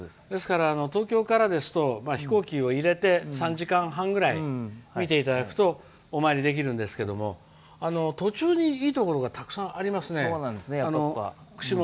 東京からですと飛行機を入れて３時間半ぐらい見ていただくとお参りできるんですけど途中でいいところがたくさんありますね。